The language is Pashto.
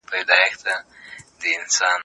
ایا ملي بڼوال شین ممیز پلوري؟